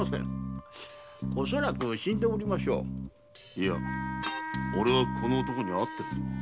いや俺はこの男に会っている。